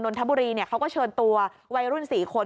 นทบุรีเขาก็เชิญตัววัยรุ่น๔คน